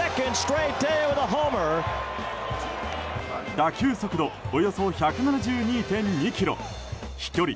打球速度およそ１７２．２キロ飛距離